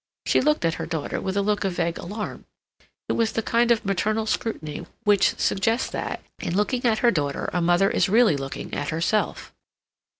She looked at her daughter with a look of vague alarm. It was the kind of maternal scrutiny which suggests that, in looking at her daughter a mother is really looking at herself.